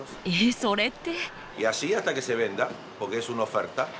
それって？